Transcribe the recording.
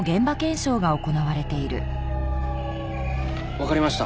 わかりました。